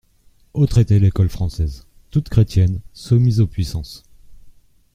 Autre était l'école française, toute chrétienne, soumise aux puissances.